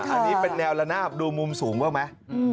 อันนี้เป็นแนวระนาบดูมุมสูงบ้างไหม